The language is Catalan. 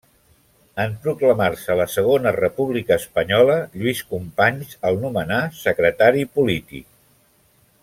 En proclamar-se la Segona República Espanyola, Lluís Companys el nomenà secretari polític.